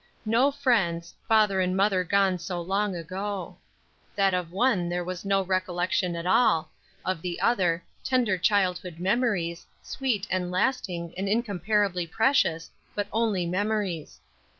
No friends father and mother gone so long ago! That of one there was no recollection at all, of the other, tender childhood memories, sweet and lasting and incomparably precious, but only memories.